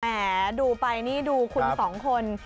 ดูไปนี่ดูคุณสองคน